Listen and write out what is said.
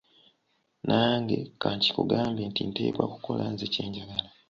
Nange ka nkikugambe nti nteekwa kukola nze kye njagala.